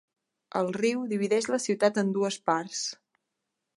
El riu divideix la ciutat en dues parts.